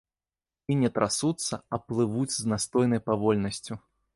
І не трасуцца, а плывуць з настойнай павольнасцю.